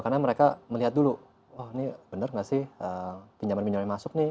karena mereka melihat dulu wah ini benar gak sih pinjaman pinjaman yang masuk nih